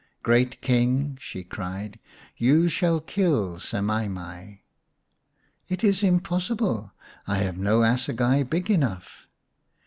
" Great King," she cried, " you shall kill Semai mai. " "It is impossible; I have no assegai big enough."